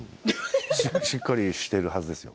しっかりしているはずですよ。